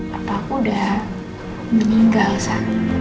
papa aku udah meninggal sa